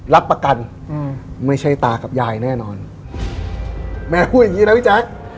รับประกันอืมไม่ใช่ตากับยายแน่นอนแม่พูดอย่างงี้นะพี่แจ๊ค